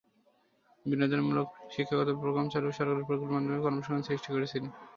বিনোদনমূলক ও শিক্ষাগত প্রোগ্রাম চালু এবং সরকারি প্রকল্পের মাধ্যমে কর্মসংস্থান সৃষ্টি করেছিল।